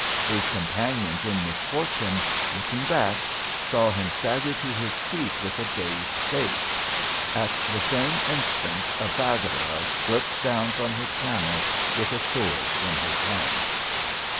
His companions in misfortune, looking back, saw him stagger to his feet with a dazed face. At the same instant a Baggara slipped down from his camel with a sword in his hand.